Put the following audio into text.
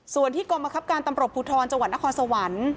ส่วนที่กรมคับการตำรวจภูทรจังหวัดนครสวรรค์